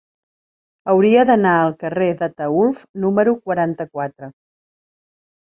Hauria d'anar al carrer d'Ataülf número quaranta-quatre.